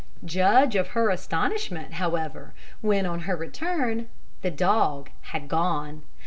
Judge of her astonishment, however, when, on her return, the dog had gone.